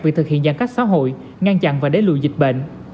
việc thực hiện giãn cách xã hội ngăn chặn và đế lùi dịch bệnh